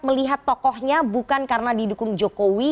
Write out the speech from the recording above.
melihat tokohnya bukan karena didukung jokowi